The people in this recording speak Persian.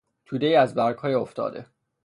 تودهای از برگهای افتاده